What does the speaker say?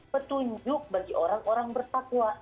petunjuk bagi orang orang bertakwa